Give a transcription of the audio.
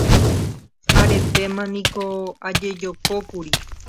Aretéma niko ajejokókuri.